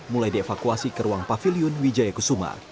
mulai dievakuasi ke ruang pavilion wijaya kusuma